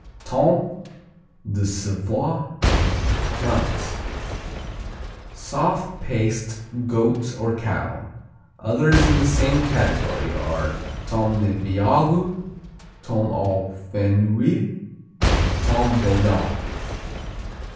Tome de Savoie France Soft paste; goat or cow. Others in the same category are: Tome des Beagues, Tome au Fenouil, Tome Doudane.